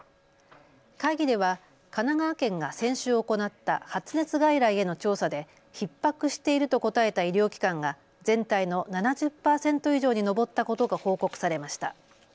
会議では神奈川県が先週行った発熱外来への調査でひっ迫していると答えた医療機関が全体の７０％以上に上ったことが報告されました。